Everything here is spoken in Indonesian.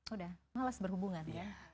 udah malas berhubungan